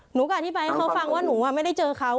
หนูก็อธิบายให้เขาฟังว่าหนูไม่ได้เจอเขา